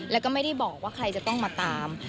แล้วก็ไม่ได้บอกว่าใครจะต้องมาตาม